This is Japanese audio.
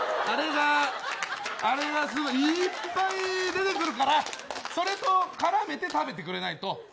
あれがすごいいっぱい出てくるからそれと絡めて食べてくれないと。